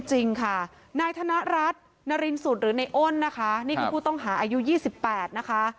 จริงค่ะนายธนรัฐนารินสุดหรือในอ้นนะคะนี่คือผู้ต้องหาอายุ๒๘นะคะ